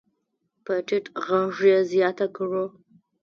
په ټيټ غږ يې زياته کړه.